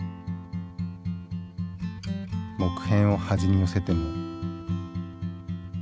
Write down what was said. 木片を端に寄せても。